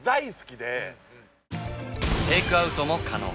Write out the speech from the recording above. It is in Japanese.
テイクアウトも可能。